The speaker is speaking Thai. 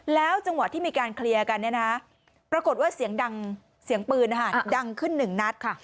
แล้วจังหวัดที่มีการเคลียร์กันปรากฏว่าเสียงปืนดังขึ้นหนึ่งนัด